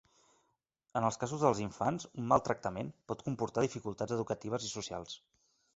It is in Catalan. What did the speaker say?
En els casos dels infants, un mal tractament, pot comportar dificultats educatives i socials.